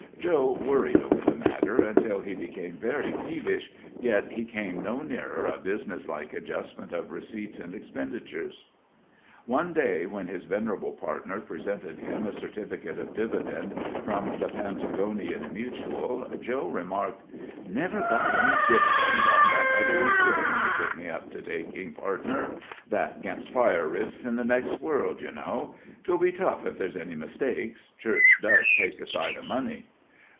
Joe worried over the matter until he became very peevish, yet he came no nearer a business like adjustment of receipts and expenditures. One day when his venerable partner presented him a certificate of dividend from the Pantagonian Mutual, Joe remarked: "Never got any dividends on that other insurance you put me up to taking, partner that 'gainst fire risks in the next world, you know. 'Twill be tough if there's any mistake church does take a sight of money."